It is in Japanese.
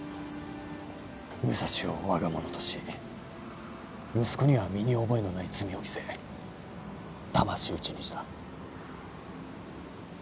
武蔵を我が物とし息子には身に覚えのない罪を着せだまし討ちにした。